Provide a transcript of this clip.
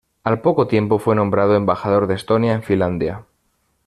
Al poco tiempo fue nombrado embajador de Estonia en Finlandia.